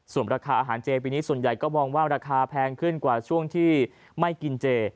ส่วนราคาอาหารเจปีนี้ส่วนใหญ่ก็มองว่าราคาแพงขึ้นกว่าช่วงที่ไม่กินเจ